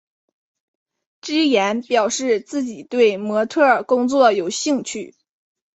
芝妍表示自己对模特儿工作有兴趣。